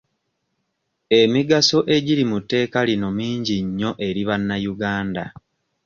Emigaso egiri mu tteeka lino mingi nnyo eri bannayuganda.